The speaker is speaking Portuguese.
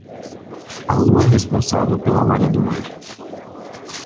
A lua é responsável pela maré do mar.